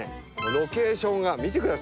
ロケーションが見てください！